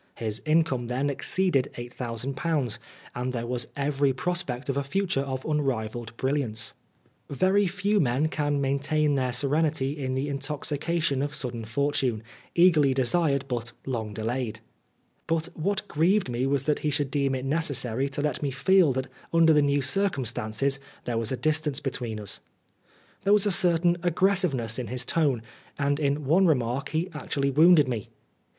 His income then exceeded ^8000, and there was every pros pect of a future of unrivalled brilliance. 116 Oscar Wilde Very few men can maintain their serenity in the intoxication of sudden fortune, eagerly desired, but long delayed. But what grieved me was that he should deem it necessary to let me feel that under the new circumstances there was a distance between us. There was a certain aggressiveness in his tone, and in one remark he actually wounded me.